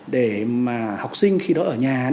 để mà học sinh khi đó ở nhà